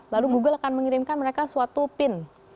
lalu google akan mengirimkan mereka suatu pin